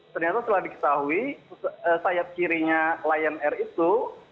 ternyata setelah diketahui sayap kirinya lion air itu